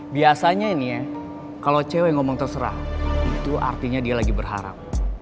biasanya ini ya kalau cewek ngomong terserah itu artinya dia lagi berharap